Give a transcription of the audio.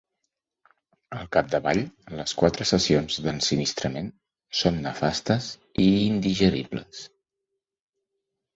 Al capdavall, les quatre sessions d'ensinistrament són nefastes i indigeribles.